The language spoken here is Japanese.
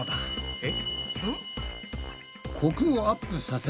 えっ？